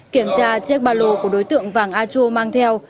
kiểm tra chiếc bà lồ của đối tượng vàng a chua mang theo